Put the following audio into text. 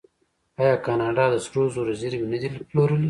آیا کاناډا د سرو زرو زیرمې نه دي پلورلي؟